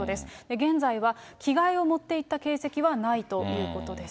現在は着替えを持って行った形跡はないということです。